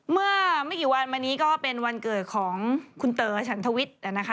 เมื่อไม่กี่วันมานี้ก็เป็นวันเกิดของคุณเต๋อฉันทวิทย์